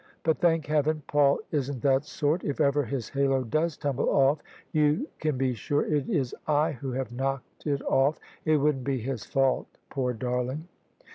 But thank Heaven! Paul isn't that sort. If ever his halo does tumble off, you can be sure that it is I who have knocked it off: it wouldn't be his fault, poor darling!